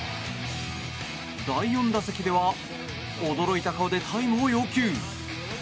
第４打席では驚いた顔でタイムを要求。